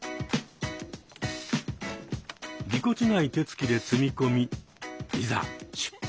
ぎこちない手つきで積み込みいざ出発！